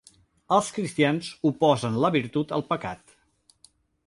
Els cristians oposen la virtut al pecat.